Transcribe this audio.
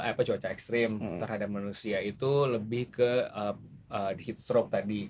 apa cuaca ekstrim terhadap manusia itu lebih ke heat stroke tadi